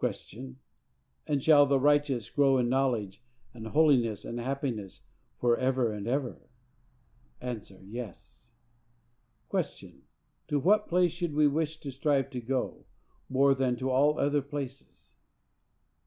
Q. And shall the righteous grow in knowledge and holiness and happiness for ever and ever?—A. Yes. Q. To what place should we wish and strive to go, more than to all other places?